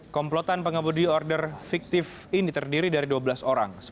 komplotan pengemudi order fiktif ini terdiri dari dua belas orang